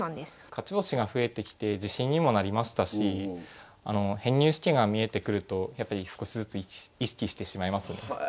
勝ち星が増えてきて自信にもなりましたし編入試験が見えてくるとやっぱり少しずつ意識してしまいますね。